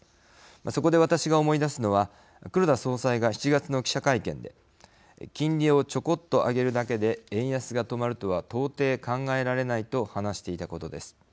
そこで私が思い出すのは黒田総裁が７月の記者会見で「金利をちょこっと上げるだけで円安が止まるとは到底考えられない」と話していたことです。